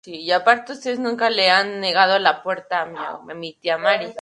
Su capital es Pul-i-Alam.